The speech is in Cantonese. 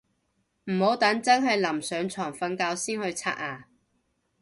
唔好等真係臨上床瞓覺先去刷牙